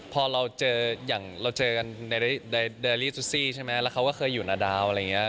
พอเราเจออย่างเราเจอกันในใช่ไหมแล้วเขาก็เคยอยู่หน้าดาวน์อะไรอย่างเงี้ย